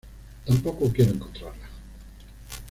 Tampoco quiero encontrarla.